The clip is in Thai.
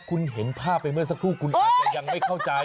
คุณเห็นภาพไปเมื่อสักครู่คุณอาจจะยังไม่เข้าใจ